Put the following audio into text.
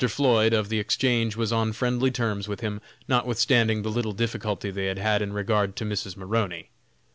Floyd, of the Exchange, was on friendly terms with him, notwithstanding the little difficulty they had had in regard to Mrs. Maroney.